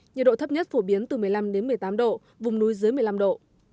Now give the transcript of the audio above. nhiệt độ thấp nhất phổ biến từ một mươi năm đến một mươi tám độ vùng núi dưới một mươi năm độ